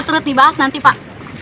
terus dibahas nanti pak